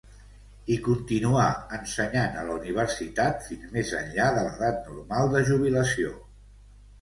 I continuà ensenyant a la Universitat fins més enllà de l'edat normal de jubilació.